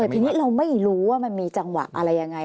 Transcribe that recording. แต่ทีนี้เราไม่รู้ว่ามันมีจังหวะอะไรยังไง